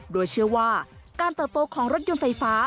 โดยเชื่อว่าการเติบโตของรถยนต์ไฟฟ้า